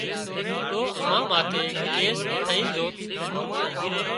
تو تمان ماٿي ڪيس ٿئي زوت